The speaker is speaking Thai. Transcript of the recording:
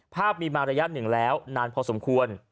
ภาพมีมาระยะหนึ่งแล้วนานพอสมควร